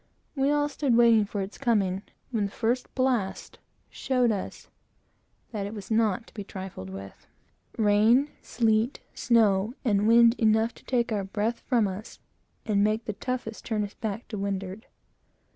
We all stood waiting for its coming, when the first blast showed us that it was not be trifled with. Rain, sleet, snow, and wind, enough to take our breath from us, and make the toughest turn his back to windward!